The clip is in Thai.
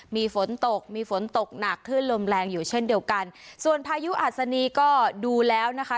มีฝนตกมีฝนตกหนักคลื่นลมแรงอยู่เช่นเดียวกันส่วนพายุอัศนีก็ดูแล้วนะคะ